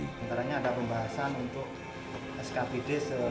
antara nya ada pembahasan untuk skpd